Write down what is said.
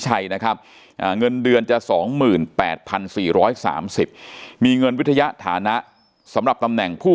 ชัยนะครับเงินเดือนจะ๒๘๔๓๐มีเงินวิทยาฐานะสำหรับตำแหน่งผู้